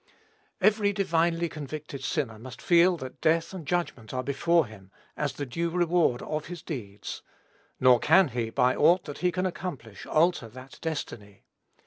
Every divinely convicted sinner must feel that death and judgment are before him, as "the due reward of his deeds;" nor can he, by aught that he can accomplish, alter that destiny.